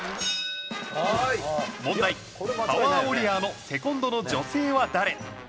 「問題パワー・ウォリアーのセコンドの女性は誰？」